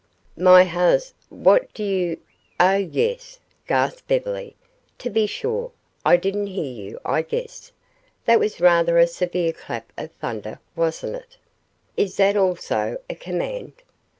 "My hus What do you Oh, yes!" gasped Beverly. "To be sure. I didn't hear you, I guess. That was rather a severe clap of thunder, wasn't it?" "Is that also a command?"